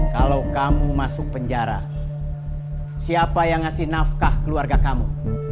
kalau kamu masuk penjara siapa yang ngasih nafkah keluarga kamu